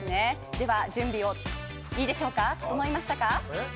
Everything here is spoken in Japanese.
では準備、いいでしょうか整いましたか。